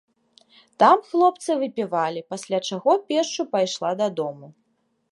Там хлопцы выпівалі, пасля чаго пешшу пайшла дадому.